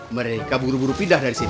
mereka buru buru pindah dari sini